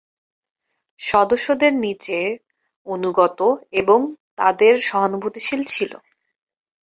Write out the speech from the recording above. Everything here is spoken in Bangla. সদস্যদের নিচে "অনুগত", এবং তাদের "সহানুভূতিশীল" ছিল।